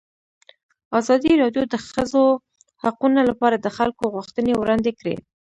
ازادي راډیو د د ښځو حقونه لپاره د خلکو غوښتنې وړاندې کړي.